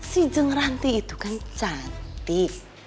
si jung ranti itu kan cantik